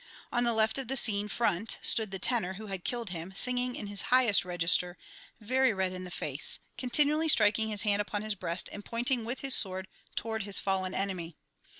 On the left of the scene, front, stood the tenor who had killed him, singing in his highest register, very red in the face, continually striking his hand upon his breast and pointing with his sword toward his fallen enemy.